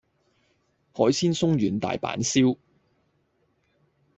海鮮鬆軟大阪燒